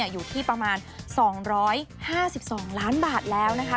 อยู่ที่ประมาณ๒๕๒ล้านบาทแล้วนะคะ